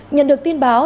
nhận được tin báo